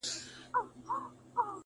لا زر کلونه زرغونیږي ونه،